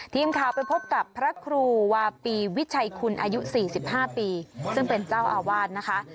ทีมข่าวไปพบกับพระครูวาปีวิชัยคุณอายุ๔๕ปีซึ่งเป็นเจ้าอาวาสนะคะ